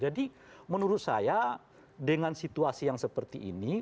menurut saya dengan situasi yang seperti ini